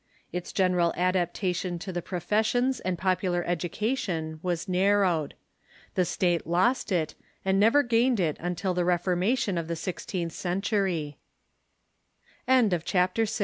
Its general adaptation to the professions and popular education was nar rowed. The State lost it, and never gained it until the Ref ormation of the sixteenth